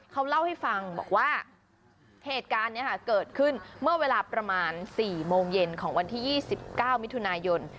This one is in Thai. เขาเล่าให้ฟังบอกว่าเหตุการณ์นี้เกิดขึ้นเมื่อเวลาประมาณ๔โมงเย็นของวันที่๒๙มิถุนายน